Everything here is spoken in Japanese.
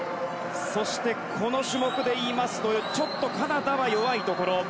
そして、この種目で言いますとちょっとカナダは弱いところ。